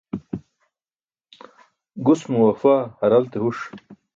Gus mo wafaa haralte huṣ